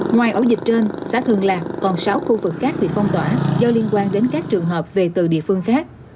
ngoài ổ dịch trên xã thường lạc còn sáu khu vực khác bị phong tỏa do liên quan đến các trường hợp về từ địa phương khác